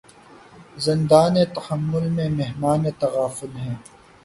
زندانِ تحمل میں مہمانِ تغافل ہیں